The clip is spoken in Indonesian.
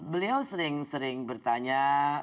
beliau sering sering bertanya